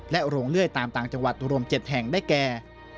โรงเลื่อยตามต่างจังหวัดรวม๗แห่งได้แก่